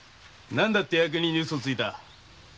何だって役人に嘘をついた？